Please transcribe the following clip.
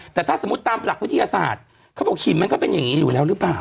แต่ถ้าสมมุติตามหลักวิทยาศาสตร์เขาบอกหินมันก็เป็นอย่างนี้อยู่แล้วหรือเปล่า